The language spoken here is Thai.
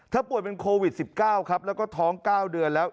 ป่วยเป็นโควิด๑๙ครับแล้วก็ท้อง๙เดือนแล้ว